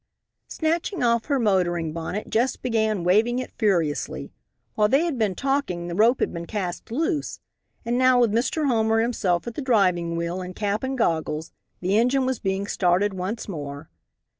Snatching off her motoring bonnet Jess began waving it furiously. While they had been talking the rope had been cast loose, and now, with Mr. Homer himself at the driving wheel, in cap and goggles, the engine was being started once more.